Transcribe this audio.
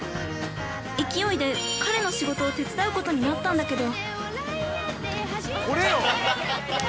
勢いで彼の仕事を手伝うことになったんだけど。